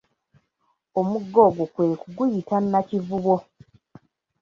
Omugga ogwo kwe kuguyita Nakivubo.